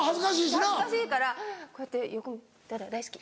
恥ずかしいからこうやって横見て「ダダ大好き」。